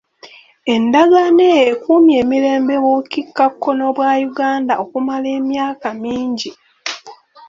Endagaano eyo ekuumye emirembe mu bukiikakkono bwa Uganda okumala emyaka mingi.